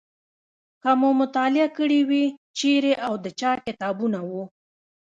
که مو مطالعه کړي وي چیرې او د چا کتابونه وو.